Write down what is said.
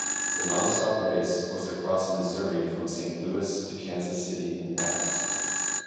The non-stop race was across Missouri from Saint Louis to Kansas City and back.